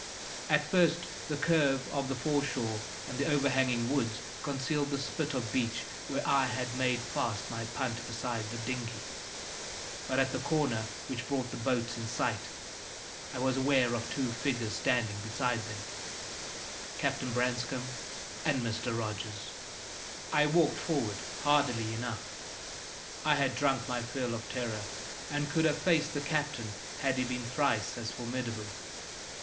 At first the curve of the foreshore and the overhanging woods concealed the spit of beach where I had made fast my punt beside the dinghy; but at the corner which brought the boats in sight I was aware of two figures standing beside them Captain Branscome and Mr. Rogers. I walked forward hardily enough; I had drunk my fill of terror, and could have faced the Captain had he been thrice as formidable.